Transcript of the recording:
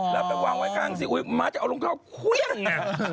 แล้วไปวางไว้ข้างซีอุ๊ยม้าจะเอารองเข้าเครื่อง